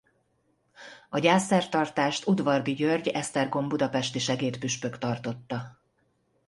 A gyászszertartást Udvardy György esztergom-budapesti segédpüspök tartotta.